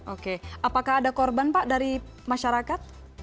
oke apakah ada korban pak dari masyarakat